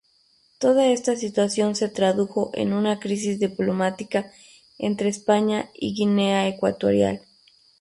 Toda esta situación se tradujo en una crisis diplomática entre España y Guinea Ecuatorial.